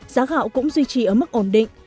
giá gạo cũng duy trì ở mức ổn định